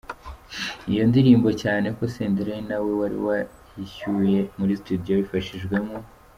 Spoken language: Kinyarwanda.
iyo ndirimbo cyane ko Senderi ari nawe wari wayishyuye muri studio abifashijwemo.